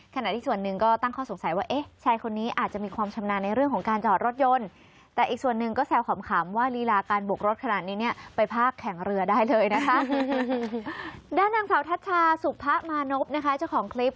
ด้านดังเสาทัชชาสุภะมานพนะคะเจ้าของคลิป